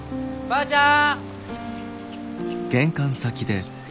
ばあちゃん！